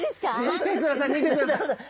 見てください見てください！